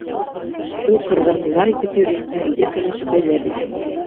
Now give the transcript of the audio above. Ул ҡырҙа һунар итеп йөрөй, ә өйҙә кәләше Бәҙәр генә.